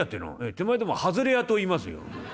「手前どもはずれ屋といいますよ」。